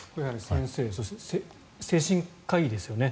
先生、精神科医ですよね。